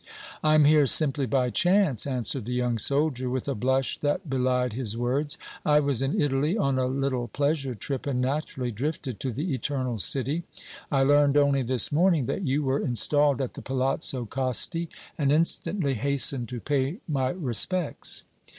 "I am here simply by chance," answered the young soldier, with a blush that belied his words. "I was in Italy on a little pleasure trip and naturally drifted to the Eternal City. I learned only this morning that you were installed at the Palazzo Costi and instantly hastened to pay my respects."